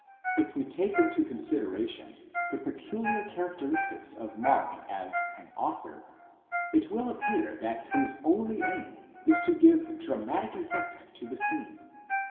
If we take into consider ation the peculiar characteristics of Mark as an author, it will appear that his only aim is to give dramatic effect to the scene.